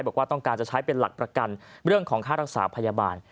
บอกว่าต้องการจะใช้เป็นหลักประกันเรื่องของค่ารักษาพยาบาล